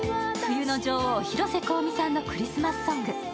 冬の女王・広瀬香美さんのクリスマスソング。